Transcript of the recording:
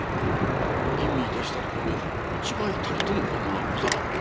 吟味いたしたところ一枚たりとも本物はござらん。